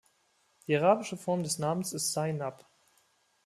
Die arabische Form des Namens ist Zainab.